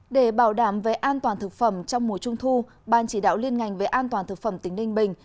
để bảo đảm về an toàn thực phẩm trong mùa trung thu ban chỉ đạo liên ngành về an toàn thực phẩm tỉnh ninh bình